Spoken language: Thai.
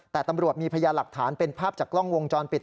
แต่ตำรวจมีพยานหลักฐานเป็นภาพจากกล้องวงจรปิด